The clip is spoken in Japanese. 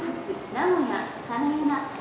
名古屋金山方面